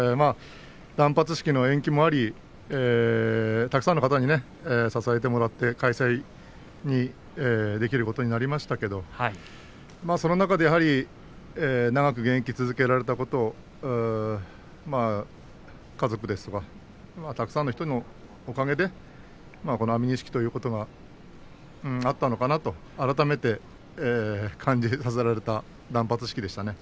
断髪式の延期もありたくさんの方に支えてもらって開催できることになりましたけどその中でやはり長く現役続けられたこと、家族ですとかたくさんの人のおかげでこの安美錦ということがあったのかなと、改めて感じさせられた断髪式でしたね。